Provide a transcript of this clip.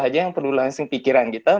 aja yang perlu langsung pikiran kita